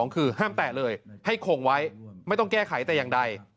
คือห้ามแตะเลยให้คงไว้ไม่ต้องแก้ไขแต่อย่างใด